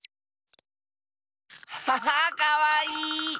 アハハッかわいい！